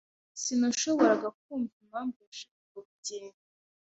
Sinashoboraga kumva impamvu yashakaga kugenda.